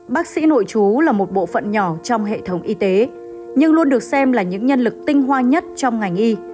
bác sĩ nội chú là một bộ phận nhỏ trong hệ thống y tế nhưng luôn được xem là những nhân lực tinh hoa nhất trong ngành y